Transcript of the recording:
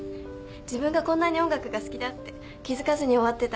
自分がこんなに音楽が好きだって気づかずに終わってた。